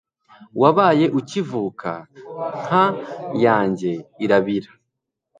wabaye ukivuka nka yanjye irabira